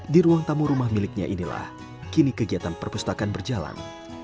di ruang tamu rumah miliknya inilah kini kegiatan perpustakaan berjalan